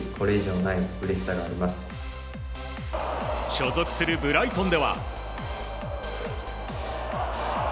所属するブライトンでは。